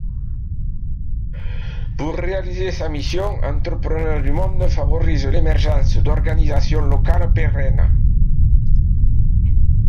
Pour réaliser sa mission, Entrepreneurs du Monde favorise l’émergence d’organisations locales pérennes.